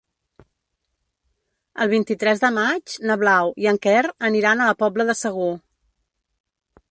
El vint-i-tres de maig na Blau i en Quer aniran a la Pobla de Segur.